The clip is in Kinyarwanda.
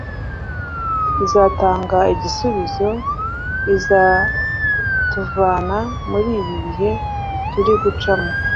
izatanga igisubizo. izatuvana muri ibi bihe turi gucamo.